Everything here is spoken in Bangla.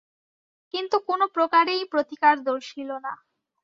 কিন্তু কোন প্রকারেই প্রতীকার দর্শিল না।